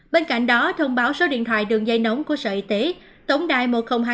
bên cạnh đó thông báo số điện thoại đường dây nóng của sở y tế tổng đài một nghìn hai mươi hai